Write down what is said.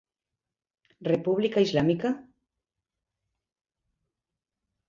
República islámica?